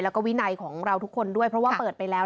แล้วก็วินัยของเราทุกคนด้วยเพราะว่าเปิดไปแล้ว